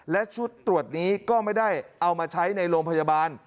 และชุดตรวจนี้ก็ไม่ได้เอามาใช้ในโรงพยาบาล